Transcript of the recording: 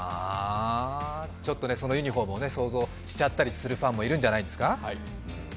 ちょっとそのユニフォ−ムを想像しちゃったりする人もいるんじゃないですか？